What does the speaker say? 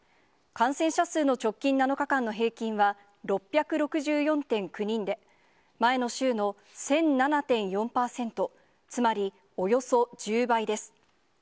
感染者数の直近７日間の平均は、６６４．９人で、前の週の１００７．４％、つまりおよそ１０倍です。